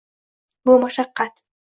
Bu mashaqqat